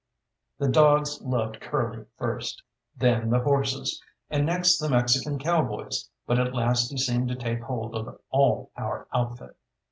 The dogs loved Curly first, then the horses, and next the Mexican cowboys, but at last he seemed to take hold of all our outfit.